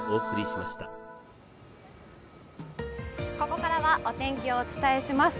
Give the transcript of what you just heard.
ここからはお天気をお伝えします。